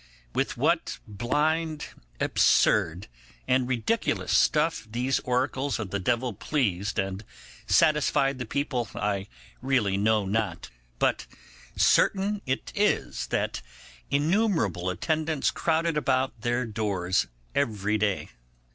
With what blind, absurd, and ridiculous stuff these oracles of the devil pleased and satisfied the people I really know not, but certain it is that innumerable attendants crowded about their doors every day.